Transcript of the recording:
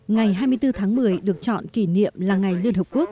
ngày hai mươi bốn tháng một mươi được chọn kỷ niệm là ngày liên hợp quốc